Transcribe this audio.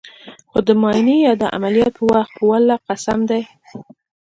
خو د معاينې يا د عمليات په وخت په ولله قسم ديه.